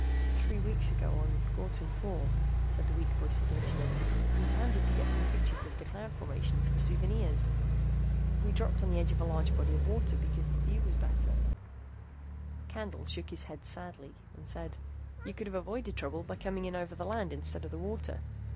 "Three weeks ago on Ghortin IV," said the weak voice of the engineer. "We landed to get some pictures of the cloud formations for souvenirs. We dropped on the edge of a large body of water because the view was better "Candle shook his head sadly and said, "You could have avoided trouble by coming in over the land instead of the water.